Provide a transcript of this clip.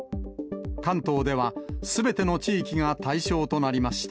関東では、すべての地域が対象となりました。